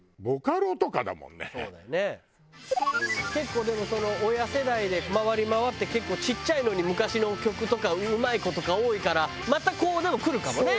結構でもその親世代で回りまわって結構ちっちゃいのに昔の曲とかうまい子とか多いからまたこうくるかもね。